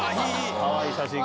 かわいい写真が。